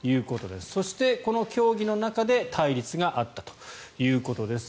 そして、この協議の中で対立があったということです。